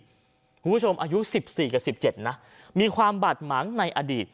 คุณผู้ชมอายุ๑๔กับ๑๗นะมีความบาดหมางในอดีต